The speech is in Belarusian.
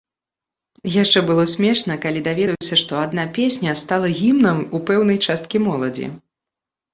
Яшчэ было смешна, калі даведаўся, што адна песня стала гімнам у пэўнай часткі моладзі.